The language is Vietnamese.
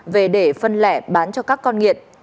về để phân lẻ bán cho các con nghiện